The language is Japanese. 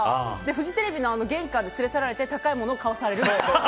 フジテレビの玄関で連れ去られて高いものを買わされる。